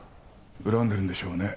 恨んでるんでしょうね